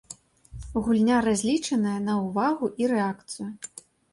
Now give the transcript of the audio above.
Гульня разлічаная на ўвагу і рэакцыю.